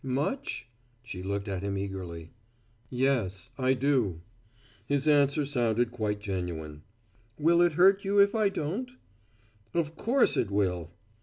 "Much?" She looked at him eagerly. "Yes, I do." His answer sounded quite genuine. "Will it hurt you if I don't?" "Of course it will."